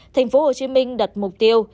tp hcm đặt mục tiêu